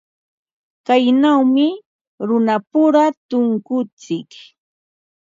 Kaynawmi runapura tunkuntsik.